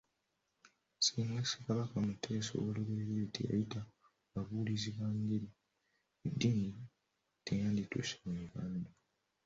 Singa Ssekabaka Muteesa ow'oluberyeberye teyayita babuulizi ba njiri, eddiini teyandituuse mu Uganda.